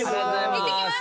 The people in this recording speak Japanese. いってきます